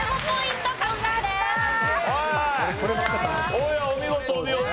大家お見事お見事。